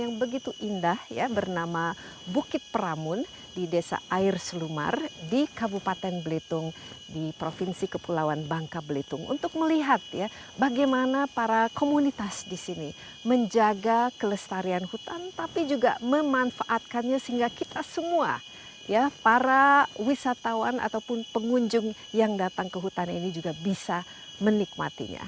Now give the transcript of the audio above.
yang begitu indah ya bernama bukit peramun di desa air selumar di kabupaten belitung di provinsi kepulauan bangka belitung untuk melihat ya bagaimana para komunitas disini menjaga kelestarian hutan tapi juga memanfaatkannya sehingga kita semua ya para wisatawan ataupun pengunjung yang datang ke hutan ini juga bisa menikmatinya